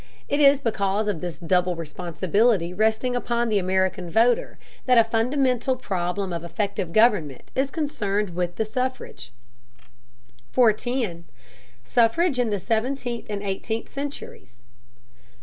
It is because of this double responsibility resting upon the American voter that a fundamental problem of effective government is concerned with the suffrage. 410. SUFFRAGE IN THE SEVENTEENTH AND EIGHTEENTH CENTURIES.